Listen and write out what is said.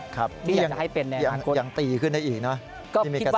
ที่กำลังจะให้เป็นแนบถังคม